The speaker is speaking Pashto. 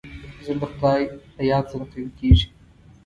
زړه د خدای له یاد سره قوي کېږي.